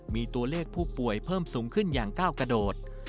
มีตัวเลขผู้ป่วยเพิ่มสูงขึ้นอย่างก้าวกระโดด